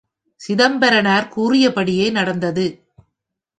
சிதம்பரனார் கூறியபடியே நடந்தது.